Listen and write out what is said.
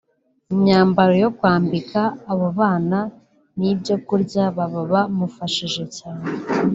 imyambaro yo kwambika abo bana n’ibyo kurya baba bamufashije cyane